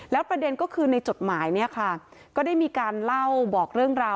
แล้วประเด็นก็คือในจดหมายเนี่ยค่ะก็ได้มีการเล่าบอกเรื่องราว